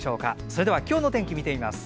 それでは今日の天気見てみます。